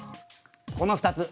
この２つ。